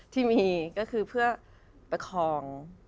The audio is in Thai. ที่มีก็คือเพื่อประคอง